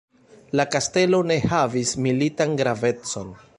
La kastelo ne havis militan gravecon.